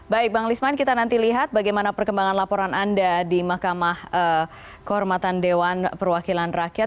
baik bang lisman kita nanti lihat bagaimana perkembangan laporan anda di mahkamah kehormatan dewan perwakilan rakyat